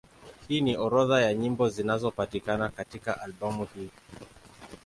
Hii ni orodha ya nyimbo zinazopatikana katika albamu hii.